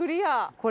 これ。